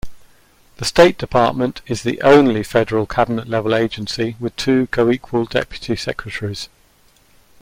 The State Department is the only federal Cabinet-level agency with two co-equal Deputy Secretaries.